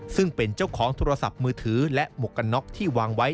ซึ่งเป็นเจ้าของโทรศัพท์มือถือและหมวกกันน็อกที่วางไว้